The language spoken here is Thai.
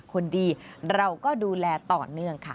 คนดีเราก็ดูแลต่อเนื่องค่ะ